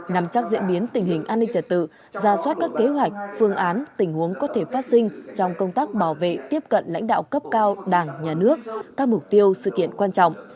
nằm chắc diễn biến tình hình an ninh trật tự ra soát các kế hoạch phương án tình huống có thể phát sinh trong công tác bảo vệ tiếp cận lãnh đạo cấp cao đảng nhà nước các mục tiêu sự kiện quan trọng